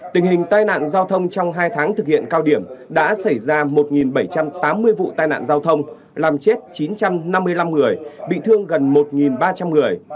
tình hình tai nạn giao thông trong hai tháng thực hiện cao điểm đã xảy ra một bảy trăm tám mươi vụ tai nạn giao thông làm chết chín trăm năm mươi năm người bị thương gần một ba trăm linh người